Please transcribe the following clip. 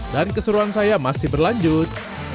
dan keseruan saya masih berlanjut